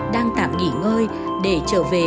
đang tạm nghỉ ngơi để trở về